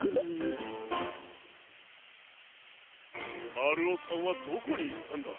まるおさんはどこにいったんだ？